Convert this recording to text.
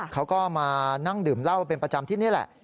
เขาก็มานั่งดื่มเหล้าเป็นประจำที่นี่แหละ